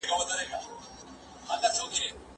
هیلې هیڅکله نه پوره کیږي.